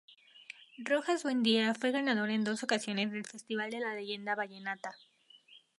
Rojas Buendía fue ganador en dos ocasiones del Festival de la Leyenda Vallenata.